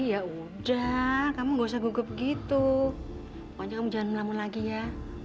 ya udah kamu gak usah gugup begitu pokoknya kamu jangan mau lamun lagi ya